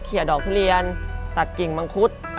เขียดอกทุเรียนตัดกิ่งมังคุด